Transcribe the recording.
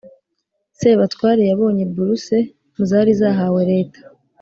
sebatware yabonye buruse muzari zahawe leta,